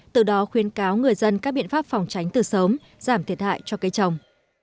từ đó khuyến cáo người dân các biện pháp phòng tránh từ sớm giảm thiệt hại cho cây trồng